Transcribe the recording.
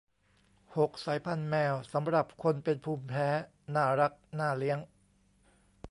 หก สายพันธุ์แมวสำหรับคนเป็นภูมิแพ้ น่ารัก น่าเลี้ยง